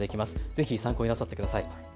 ぜひ参考になさってください。